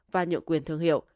và nhượng quyền thương hiệu